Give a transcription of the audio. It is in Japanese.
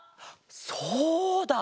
そうだ！